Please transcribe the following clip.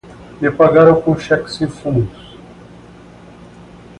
Me pagaram com um cheque sem fundos.